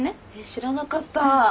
知らなかった。